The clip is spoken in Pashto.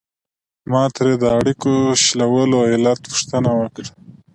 ما ترې د اړیکو شلولو علت پوښتنه وکړه.